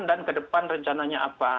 dan ke depan rencananya apa